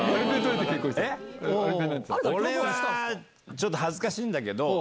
俺はちょっと恥ずかしいんだけど。